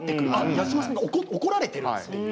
矢島さんが怒られてるっていう。